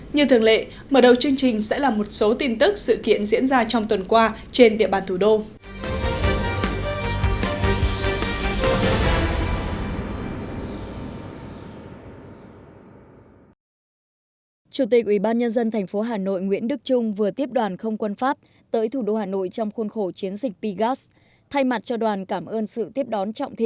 như thường lệ mở đầu chương trình sẽ là một số tin tức sự kiện diễn ra trong tuần qua trên địa bàn thủ đô